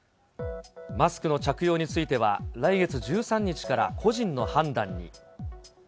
マスクの着用については来月１３日から個人の判断に。